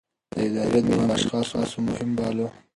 د ادارې دوام يې له اشخاصو مهم باله.